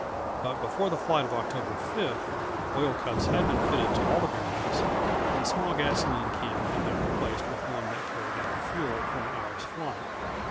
But before the flight on October 5, oil cups had been fitted to all the bearings, and the small gasoline can had been replaced with one that carried enough fuel for an hour's flight.